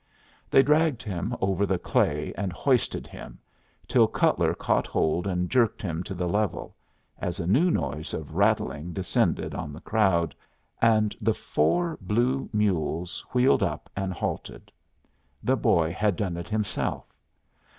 They dragged him over the clay and hoisted him, till Cutler caught hold and jerked him to the level, as a new noise of rattling descended on the crowd, and the four blue mules wheeled up and halted. The boy had done it himself.